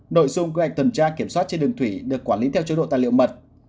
nội dung quy hoạch tuần tra kiểm soát trên đường thủy được quản lý theo chế độ tài liệu mật